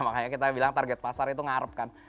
makanya kita bilang target pasar itu ngarep kan